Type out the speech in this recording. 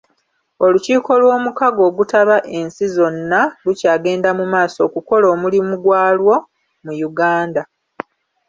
Olukkiko lw'omukago ogutaba ensi zonna lukyagenda mu maaso okukola omulimu gwalwo mu Uganda.